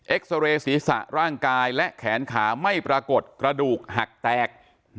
ซาเรย์ศีรษะร่างกายและแขนขาไม่ปรากฏกระดูกหักแตก